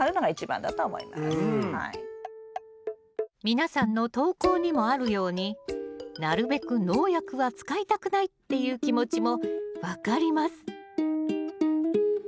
皆さんの投稿にもあるように「なるべく農薬は使いたくない」っていう気持ちも分かります